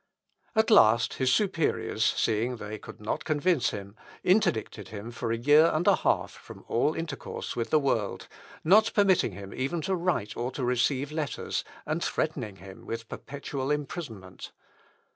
At last his superiors, seeing they could not convince him, interdicted him for a year and a half from all intercourse with the world, not permitting him even to write or to receive letters, and threatening him with perpetual imprisonment.